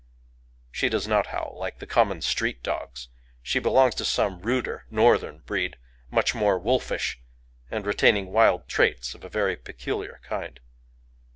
She does not howl like the common street dogs. She belongs to some ruder Northern breed, much more wolfish, and retaining wild traits of a very peculiar kind.